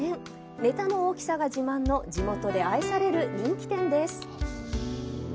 ネタの大きさが自慢の地元で愛される人気店です。